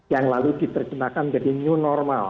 yang lalu diterjemahkan menjadi new normal